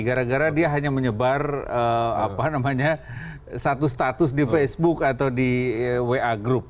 terlalu banyak yang berapa namanya satu status di facebook atau di wa group